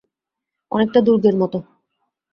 অনেকটা দুর্গের মতো।